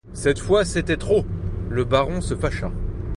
Cette fois, c'était trop, le baron se fâcha.